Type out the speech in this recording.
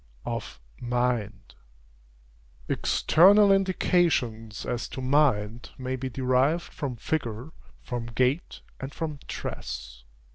OF MIND. External indications as to mind may be derived from figure, from gait, and from dress.